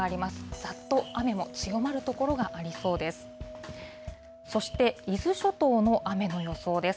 ざっと雨も強まる所がありそうです。